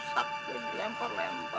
susah jadi lempar lempar sama ma